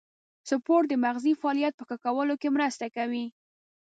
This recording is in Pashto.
سپورت د مغزي فعالیت په ښه کولو کې مرسته کوي.